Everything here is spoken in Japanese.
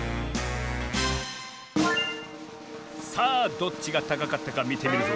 さあどっちがたかかったかみてみるぞ。